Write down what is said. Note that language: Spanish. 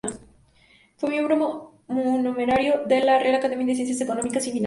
Fue miembro numerario de la Real Academia de Ciencias Económicas y Financieras.